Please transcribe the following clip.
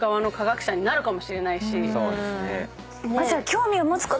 そうですね。